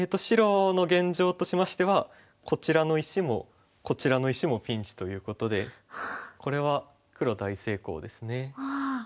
白の現状としましてはこちらの石もこちらの石もピンチということでこれは黒大成功ですね。